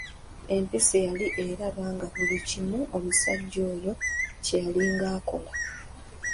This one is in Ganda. Empisi yali eraba nga buli kimu omusajja oyo kyeyali ng'akola.